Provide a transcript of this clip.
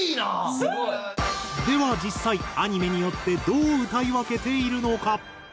すごい！では実際アニメによってどう歌い分けているのか？